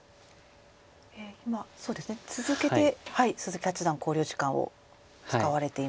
今続けて鈴木八段考慮時間を使われています。